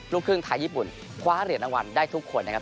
ลูกครึ่งไทยญี่ปุ่นคว้าเหรียญรางวัลได้ทุกคนนะครับ